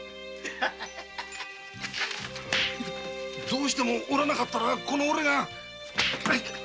どうしてもおらなかったらこのおれが。